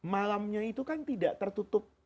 malamnya itu kan tidak tertutup